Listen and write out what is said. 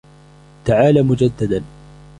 تعالَ مُجدداً.